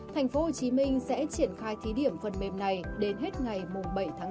thành phố hồ chí minh sẽ triển khai thí điểm phần mềm này đến hết ngày bảy tháng năm